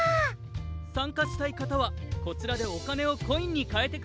さんかしたいかたはこちらでおかねをコインにかえてください。